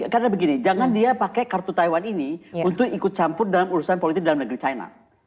karena begini jangan dia pakai kartu taiwan ini untuk ikut campur dalam urusan politik dalam negeri china